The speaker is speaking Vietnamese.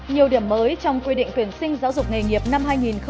nhiều điểm mới trong quy định quyền sinh giáo dục nghề nghiệp năm hai nghìn một mươi chín